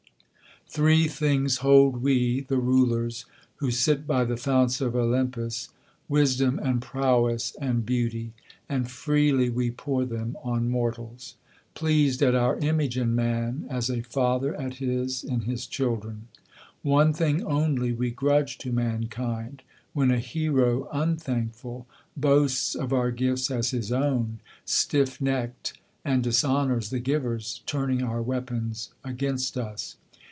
'Three things hold we, the Rulers, who sit by the founts of Olympus, Wisdom, and prowess, and beauty; and freely we pour them on mortals; Pleased at our image in man, as a father at his in his children. One thing only we grudge to mankind: when a hero, unthankful, Boasts of our gifts as his own, stiffnecked, and dishonours the givers, Turning our weapons against us.